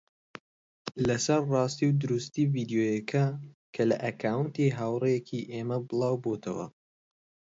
لەسەر ڕاستی و دروستی ڤیدیۆکە کە لە ئەکاونتی هاوڕێیەکی ئێمە بڵاوبووەتەوە